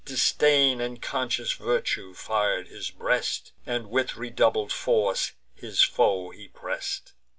Disdain and conscious virtue fir'd his breast, And with redoubled force his foe he press'd.